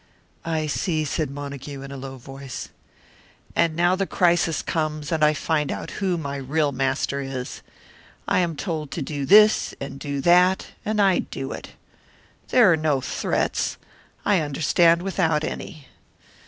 "I see," said Montague, in a low voice. "And now the crisis comes, and I find out who my real master is. I am told to do this, and do that, and I do it. There are no threats; I understand without any.